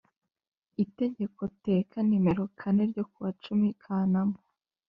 Itegeko teka nimero kane ryo ku wa cumi Kanama